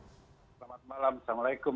selamat malam assalamualaikum